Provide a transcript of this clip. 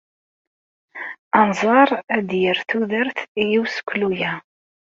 Anẓar ad d-yerr tudert i useklu-a.